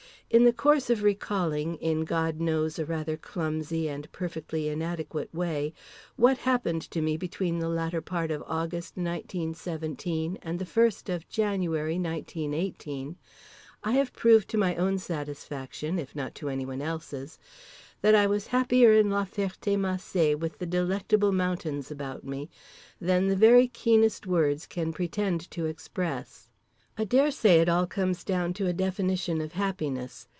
In the course of recalling (in God knows a rather clumsy and perfectly inadequate way) what happened to me between the latter part of August, 1917, and the first of January, 1918, I have proved to my own satisfaction (if not to anyone else's) that I was happier in La Ferté Macé, with The Delectable Mountains about me, than the very keenest words can pretend to express. I daresay it all comes down to a definition of happiness.